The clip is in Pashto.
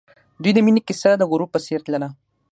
د دوی د مینې کیسه د غروب په څېر تلله.